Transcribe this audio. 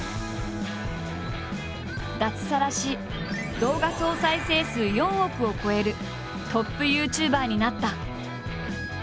脱サラし動画総再生数４億を超えるトップＹｏｕＴｕｂｅｒになった。